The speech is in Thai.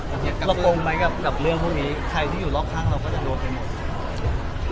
เราตรงไหมกับเรื่องพวกนี้ใครที่อยู่รอบข้างเราก็จะรู้ไปหมด